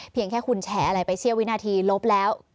เพียงแค่คุณแชร์อะไรไปเชื่อวินาทีลบแล้ว